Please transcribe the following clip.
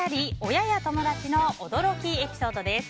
親や友達の驚きエピソードです。